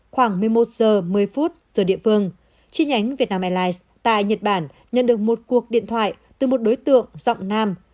khoảng một mươi một h một mươi giờ địa phương chi nhánh việt nam airlines tại nhật bản nhận được một cuộc điện thoại từ một đối tượng giọng nam